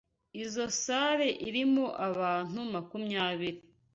Izoi salle irimo abantu makumyabiri.